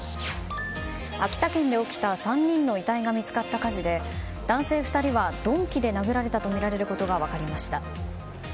秋田県で起きた３人の遺体が見つかった火事で男性２人は鈍器で殴られたとみられることが分かりました。